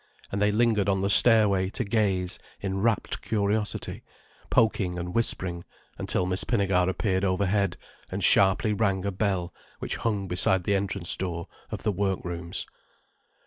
And they lingered on the stair way to gaze in rapt curiosity, poking and whispering, until Miss Pinnegar appeared overhead, and sharply rang a bell which hung beside the entrance door of the work rooms.